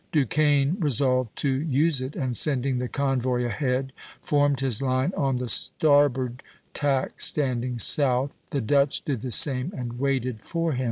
Duquesne resolved to use it, and sending the convoy ahead, formed his line on the starboard tack standing south; the Dutch did the same, and waited for him (Plate V.